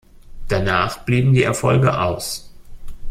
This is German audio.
Danach blieben die Erfolge aus.